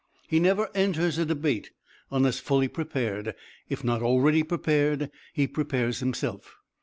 He never enters a debate unless fully prepared; if not already prepared, he prepares himself.